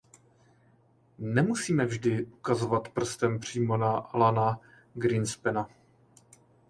Nemusíme vždy ukazovat prstem přímo na Alana Greenspana.